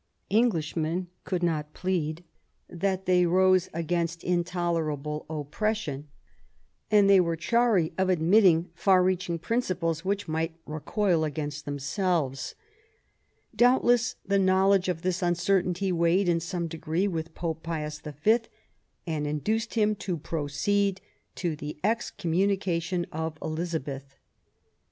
Englishmen could not plead that they rose against intolerable oppression ; and they were chary of admitting far reaching principles which might recoil against themselves. Doubtless the knowledge of this uncertainty weighed in some degree with Pope Pius V., and 132 QUEEN ELIZABETH. induced him to proceed to the excommunication of Elizabeth.